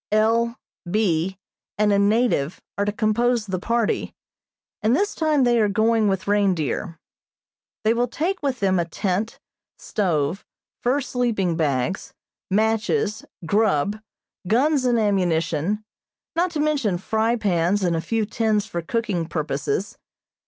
L., B. and a native are to compose the party, and this time they are going with reindeer. They will take with them a tent, stove, fur sleeping bags, matches, "grub," guns and ammunition, not to mention fry pans and a few tins for cooking purposes.